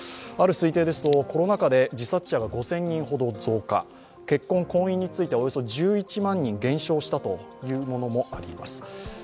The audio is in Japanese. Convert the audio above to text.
ある推定ですとコロナ禍で自殺者が５０００人ほど増加結婚、婚姻についてはおよそ１１万人減少したというものもあります。